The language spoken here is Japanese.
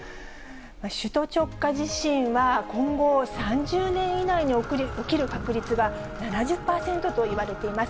首都直下地震は、今後３０年以内に起きる確率が７０％と言われています。